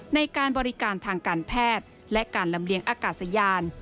ในการบริการทางการแพทย์และการลำเลียงอากาศยาน